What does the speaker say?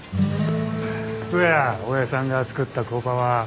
どやおやじさんが作った工場は。